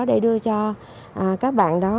để đưa cho các bạn đó